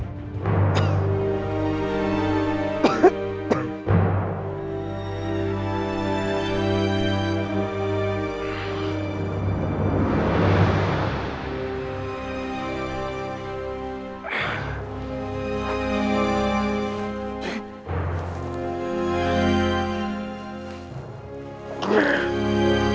alhamdulillah ya allah alhamdulillah